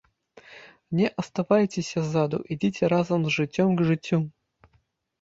Не аставайцеся ззаду, ідзіце разам з жыццём к жыццю!